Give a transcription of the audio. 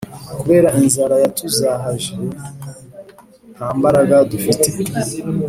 kubera inzara yatuzahaje ntambaraga dufite